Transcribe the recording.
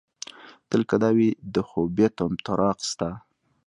تل که دا وي د خوبيه طمطراق ستا